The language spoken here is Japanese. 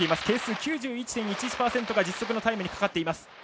係数９１．１１％が実測のタイムにかかっています。